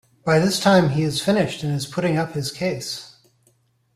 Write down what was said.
By this time he has finished and is putting up his case.